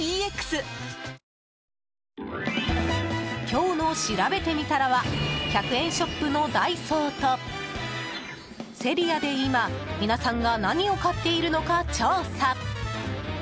今日のしらべてみたらは１００円ショップのダイソーとセリアで、今、皆さんが何を買っているのか調査。